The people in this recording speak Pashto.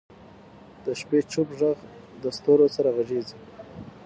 د شپې چوپ ږغ د ستورو سره غږېږي.